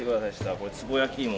これつぼ焼き芋。